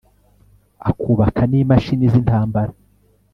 akubaka n'imashini z'intambara